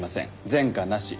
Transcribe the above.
前科なし。